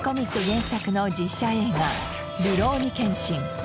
原作の実写映画『るろうに剣心』。